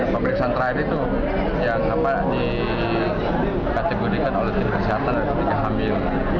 pemeriksaan terakhir itu yang dikategorikan oleh tim kesehatan ketika hamil